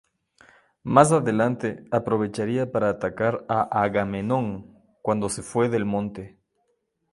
Más adelante, aprovecharía para atacar a "Agamenón" cuando se fue del Monte.